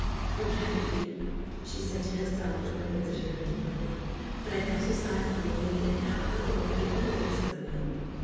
'O, can it be,' she said to herself, when her visitor had departed, 'that I exercise a malignant power over people against my own will?